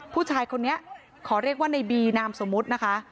ผู้ชายคนนี้ขอเรียกว่าในบีนามสมมุตินะคะ